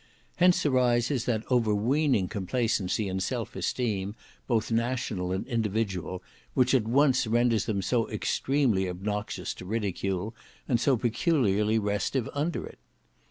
Hence arises that over weening complacency and self esteem, both national and individual, which at once renders them so extremely obnoxious to ridicule, and so peculiarly restive under it.